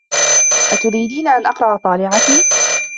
أتريدين أن أقرأ طالعكِ؟